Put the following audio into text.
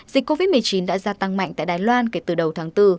dịch covid một mươi chín đã gia tăng mạnh tại đài loan kể từ đầu tháng bốn